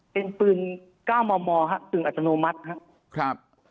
เป็นปืน๙มมฮะปืนอัตโนมัติฮะ